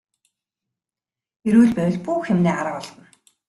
Эрүүл байвал бүх юмны арга олдоно.